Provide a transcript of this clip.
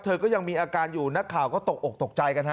เธอก็ยังมีอาการอยู่นักข่าวก็ตกอกตกใจกันฮ